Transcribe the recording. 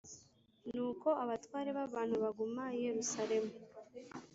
Nuko abatware b abantu baguma i yerusalemu